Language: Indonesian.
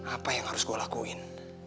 apa yang harus gue lakuin